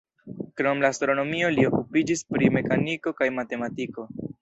Krom la astronomio li okupiĝis pri mekaniko kaj matematiko.